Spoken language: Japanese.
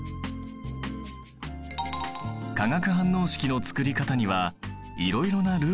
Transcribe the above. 化学反応式のつくり方にはいろいろなルールがある。